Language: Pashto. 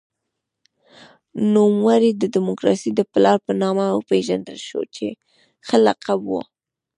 نوموړی د دموکراسۍ د پلار په نامه وپېژندل شو چې ښه لقب و.